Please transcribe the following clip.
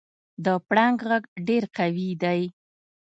د پړانګ غږ ډېر قوي دی.